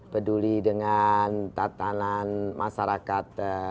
peduli dengan tatanan masyarakat